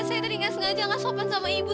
saya tadi gak sengaja gak sopan sama ibu